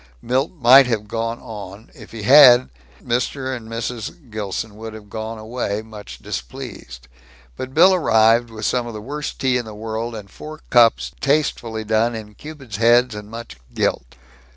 Milt might have gone on ... if he had, Mr. and Mrs. Gilson would have gone away, much displeased. But Bill arrived, with some of the worst tea in the world, and four cups tastefully done in cupids' heads and much gilt.